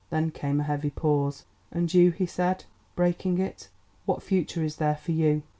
Then came a heavy pause. "And you," he said, breaking it, "what future is there for you?"